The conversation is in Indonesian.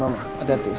aku mau tidur